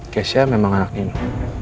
keisha memang anak nino